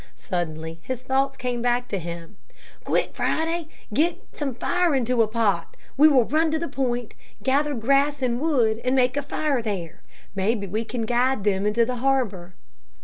Suddenly his thoughts came to him. "Quick, Friday, get some fire in a pot. We will run to the point, gather grass and wood, and make a fire there. Maybe we can guide them into the harbor."